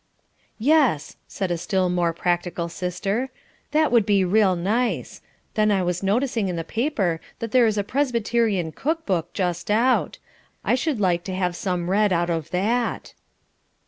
"Yes," said a still more practical sister, "that would be real nice. Then I was noticing in the paper that there is a Presbyterian cook book just out. I should like to have some read out of that."